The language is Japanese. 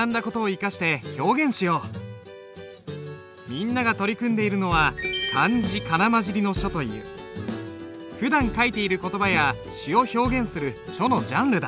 みんなが取り組んでいるのはふだん書いている言葉や詩を表現する書のジャンルだ。